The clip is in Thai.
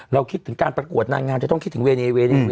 คิดถึงการประกวดนางงามจะต้องคิดถึงเวเนเว